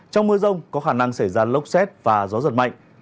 trong mưa rông có khả năng xảy ra lốc xét và gió giật mạnh